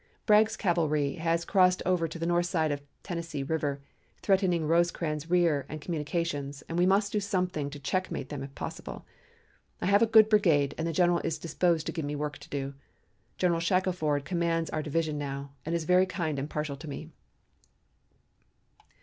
Bragg's cavalry has crossed over to the north side of Tennessee River, threatening Rosecrans's rear and communications, and we must do something to checkmate them if possible. I have a good brigade and the general is disposed to give me work to do. General Shackelford commands our division now, and is very kind and partial to me."